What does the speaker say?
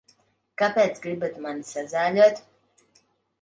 Kāpēc gribat mani sazāļot?